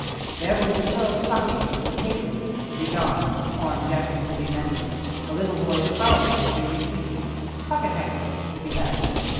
There were little girls' stockings with "potatoes" in them to be darned, torn jackets to be mended, a little boy's trousers to be reseated, pocket handkerchiefs to be hemmed.